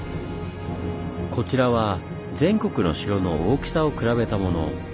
こちらは全国の城の大きさを比べたもの。